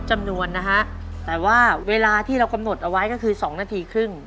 จำนวนนะฮะแต่ว่าเวลาที่เรากำหนดเอาไว้ก็คือ๒นาทีครึ่ง